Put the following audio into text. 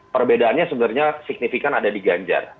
perbedaannya sebenarnya signifikan ada di ganjar